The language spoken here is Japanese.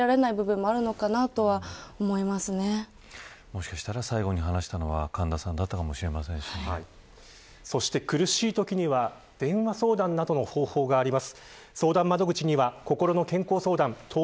もしかしたら最後に話したのは神田さんだったのかもそして、苦しいときには電話相談などの方法があります。